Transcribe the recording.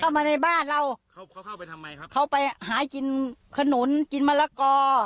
มาในบ้านเราเขาเข้าไปทำไมครับเขาไปหากินขนุนกินมะละกอ